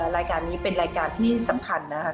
รายการนี้เป็นรายการที่สำคัญนะคะ